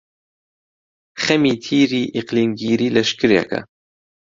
خەمی تیری ئیقلیمگیری لەشکرێکە،